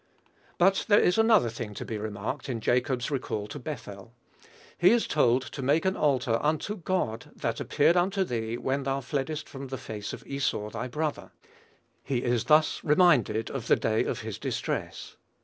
But there is another thing to be remarked in Jacob's recall to Bethel. He is told to make an altar "unto God, that appeared unto thee when thou fleddest from the face of Esau thy brother." He is thus reminded of "the day of his distress."